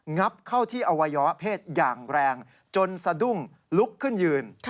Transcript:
งับเข้าที่อวัยวะเพศอย่างแรงจนสะดุ้งลุกขึ้นยืน